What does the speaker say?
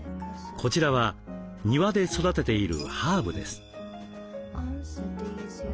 こちらは庭で育てているハーブです。